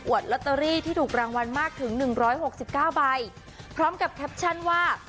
ลอตเตอรี่ที่ถูกรางวัลมากถึงหนึ่งร้อยหกสิบเก้าใบพร้อมกับแคปชั่นว่า